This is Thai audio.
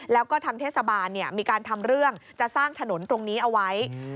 แล้วก็ทางเทศบาลมีการทำเรื่องจะสร้างถนนตรงนี้เอาไว้